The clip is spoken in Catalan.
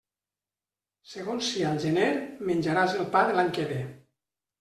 Segons sia el gener menjaràs el pa de l'any que ve.